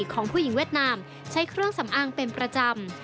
ของผู้หญิงเวียดนามใช้เครื่องสำอางเป็นประจำ